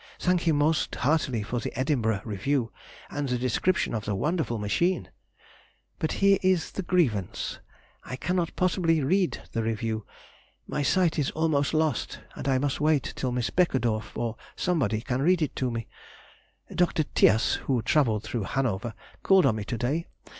Thank him most heartily for the "Edinburgh Review," and the description of the wonderful machine.... But here is the grievance—I cannot possibly read the Review, my sight is almost lost, and I must wait till Miss Beckedorff or somebody can read to me.... Dr. Tias, who travelled through Hanover, called on me to day.